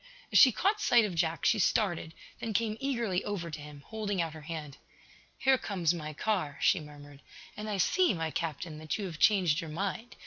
As she caught sight of Jack she started, then came eagerly over to him, holding out her hand. "Here comes my car," she murmured. "And I see, my Captain, that you have changed your mind.